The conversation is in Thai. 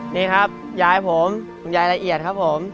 นี่ครับยายผมคุณยายละเอียดครับผม